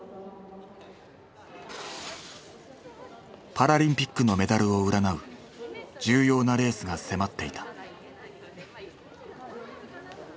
パラリンピックのメダルを占う重要なレースが迫っていた。